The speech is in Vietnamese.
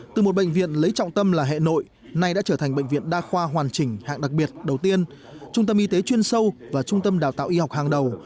từ một bệnh viện lấy trọng tâm là hệ nội nay đã trở thành bệnh viện đa khoa hoàn chỉnh hạng đặc biệt đầu tiên trung tâm y tế chuyên sâu và trung tâm đào tạo y học hàng đầu